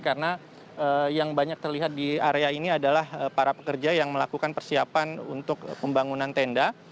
karena yang banyak terlihat di area ini adalah para pekerja yang melakukan persiapan untuk pembangunan tenda